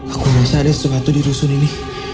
aku merasa ada sesuatu di rusun ini